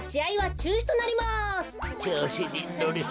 ちょうしにのりすぎた。